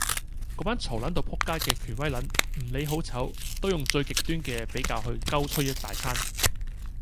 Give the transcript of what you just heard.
嗰班嘈撚到仆街嘅權威撚，唔理好醜，都用最極端嘅比較去鳩吹一大餐。